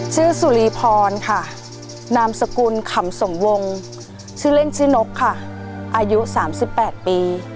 สุรีพรค่ะนามสกุลขำสมวงชื่อเล่นชื่อนกค่ะอายุ๓๘ปี